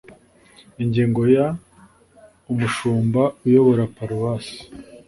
ingingo ya umushumba uyobora paruwase